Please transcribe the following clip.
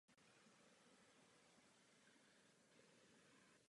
Plné dospělosti dosahují pavouci až po dvou letech.